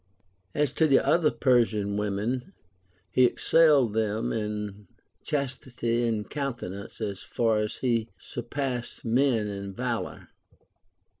As to the other Persian women, he excelled them in chastity and continence as far as he surpassed the men in valor.